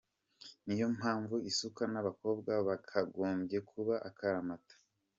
Niyo mpamvu isuku nabakobwa byakagombye kuba akaramata.